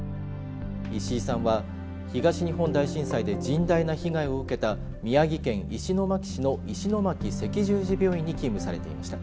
石井さんは東日本大震災で甚大な被害を受けた宮城県石巻市の石巻赤十字病院に勤務されていました。